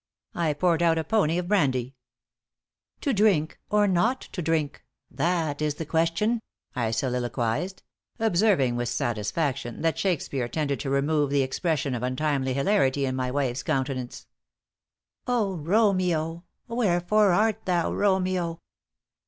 I poured out a pony of brandy. "To drink or not to drink that is the question," I soliloquized; observing with satisfaction that Shakespeare tended to remove the expression of untimely hilarity in my wife's countenance. "O Romeo, wherefore art thou, Romeo?"